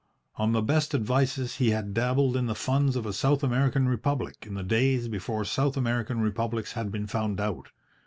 On the best advices he had dabbled in the funds of a South American Republic in the days before South American Republics had been found out.